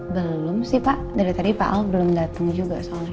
belum sih pak dari tadi pak al belum datang juga soalnya